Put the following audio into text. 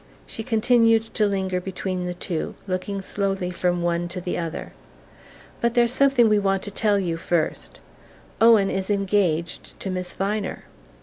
She continued to linger between the two, looking slowly from one to the other. "But there's something we want to tell you first: Owen is engaged to Miss Viner."